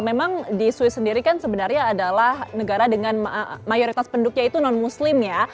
memang di swiss sendiri kan sebenarnya adalah negara dengan mayoritas penduduknya itu non muslim ya